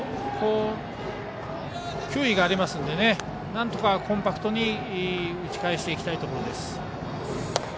球威があるのでなんとかコンパクトに打ち返していきたいところです。